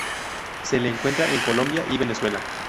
Se lo encuentra en Colombia y Venezuela.